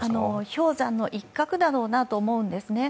氷山の一角だろうなと思うんですね。